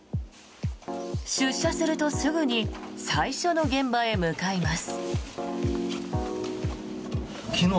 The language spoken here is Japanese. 出社するとすぐに最初の現場へ向かいます。